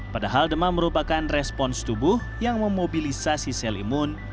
padahal demam merupakan respons tubuh yang memobilisasi sel imun